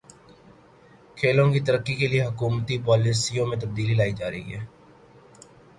کھیلوں کی ترقی کے لیے حکومتی پالیسیوں میں تبدیلی لائی جا رہی ہے